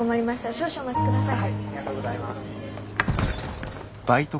少々お待ちください。